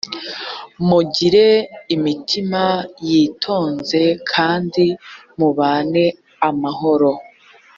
mugire imitima yitonze kandi mubane amahoro